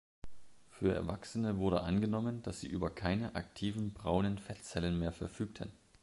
Für Erwachsene wurde angenommen, dass sie über keine aktiven braunen Fettzellen mehr verfügten.